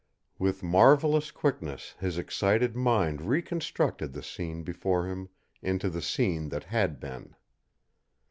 With marvelous quickness his excited mind reconstructed the scene before him into the scene that had been.